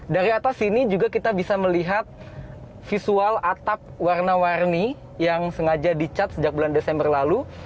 dari atas sini juga kita bisa melihat visual atap warna warni yang sengaja dicat sejak bulan desember lalu